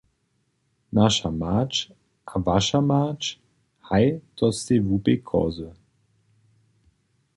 Naša mać a waša mać, haj to stej hłupej kozy.